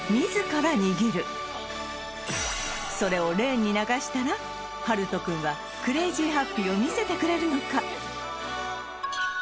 それをレーンに流したらハルト君はクレイジーハッピーを見せてくれるのか！？